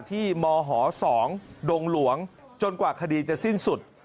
มห๒ดงหลวงจนกว่าคดีจะสิ้นสุด